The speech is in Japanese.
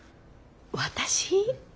私？